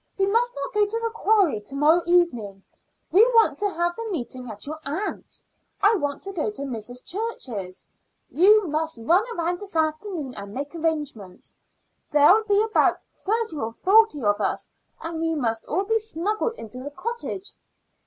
We must not go to the quarry to morrow evening. We want to have the meeting at your aunt's. I want to go to Mrs. Church's. You must run round this afternoon and make arrangements. There'll be about thirty or forty of us, and we must all be smuggled into the cottage."